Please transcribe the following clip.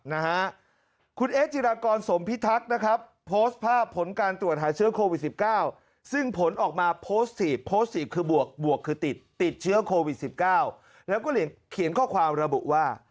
นะฮะคุณเอ๊จิรากรสมพิทักษ์นะครับโพสต์ภาพผลการตรวจหาเชื้อโควิดสิบเก้าซึ่งผลออกมาโพสต์สีบโพสต์สีบคือบวกบวกคือติดติดเชื้อโควิดสิบเก้าแล้วก็เขียนข้อความระบุว่า